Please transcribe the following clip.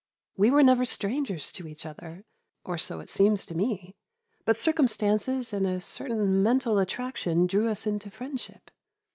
We were never strangers to each other, or so it seems to me, but circumstances and a certain mental attraction drew us into friendship.